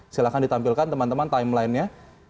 silahkan ditampilkan teman teman timelinenya